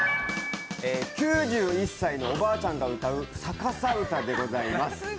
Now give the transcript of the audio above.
９１歳のおばあちゃんが歌う逆さ歌でございます。